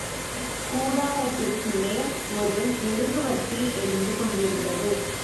கூடாரத்திற்குள்ளே ஒரு மெழுகுவர்த்தி எரிந்து கொண்டிருந்தது.